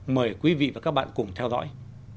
mời quý vị và các bạn cùng theo dõi